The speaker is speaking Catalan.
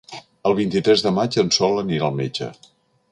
El vint-i-tres de maig en Sol anirà al metge.